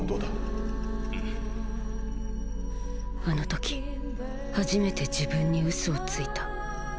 あの時初めて自分に嘘をついた。